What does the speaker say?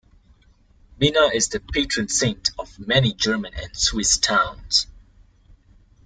Mina is the patron saint of many German and Swiss towns.